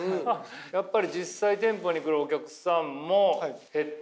やっぱり実際店舗に来るお客さんも減って？